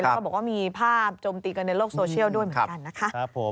ก็บอกว่ามีภาพโจมตีกันในโลกโซเชียลด้วยเหมือนกันนะคะ